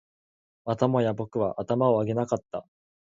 またもや僕は頭を上げなかった